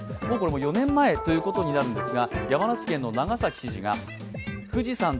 もう４年前ということになるんですが。